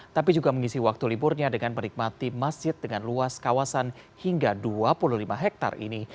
tapi juga mengisi waktu liburnya dengan menikmati masjid dengan luas kawasan hingga dua puluh lima hektare ini